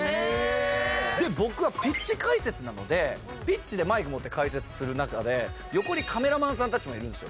で、僕はピッチ解説なので、ピッチでマイク持って解説する中で、横にカメラマンさんたちもいるんですよ。